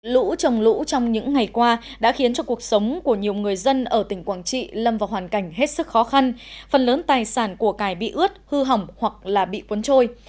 lũ trồng lũ trong những ngày qua đã khiến cho cuộc sống của nhiều người dân ở tỉnh quảng trị lâm vào hoàn cảnh hết sức khó khăn phần lớn tài sản của cải bị ướt hư hỏng hoặc là bị cuốn trôi